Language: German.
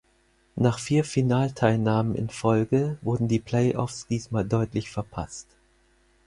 Nach vier Finalteilnahmen in Folge, wurden die Playoffs diesmal deutlich verpasst.